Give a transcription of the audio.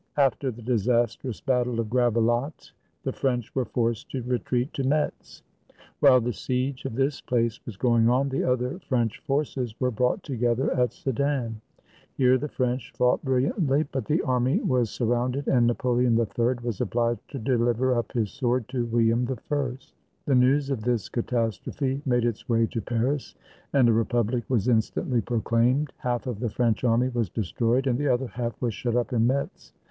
After the disastrous battle of Gravelotte, the French were forced to retreat to Metz. While the siege of this place was going on, the other French forces were brought together at Sedan. Here the French fought brilliantly, but the army was surrounded, and Napo leon III was obliged to deliver up his sword to William I. The news of this catastrophe made its way to Paris, and a republic was instantly proclaimed. Half of the French army was destroyed, and the other half was shut up in Metz.